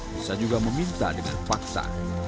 bisa juga meminta dengan paksa